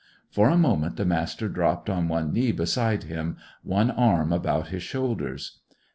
For a moment the Master dropped on one knee beside him, one arm about his shoulders.